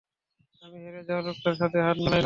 আমি হেরে যাওয়া লোকদের সাথে, হাত মেলাই না।